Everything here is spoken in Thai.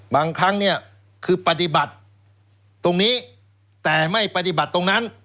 บางครั้งเนี่ยคือปฏิบัติตรงนี้แต่ไม่ปฏิบัติตรงนั้น